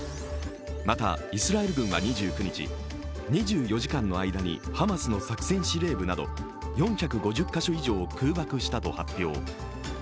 また、イスラエル軍は２９日、２４時間の間にハマスの作戦司令部など４５０か所以上を空爆したと発表。